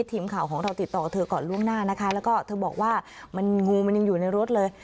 ทีมข่าวของเราติดต่อเธอก่อนล่วงหน้านะคะแล้วก็เธอบอกว่ามันงูมันยังอยู่ในรถเลย